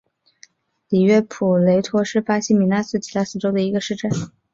里约普雷托是巴西米纳斯吉拉斯州的一个市镇。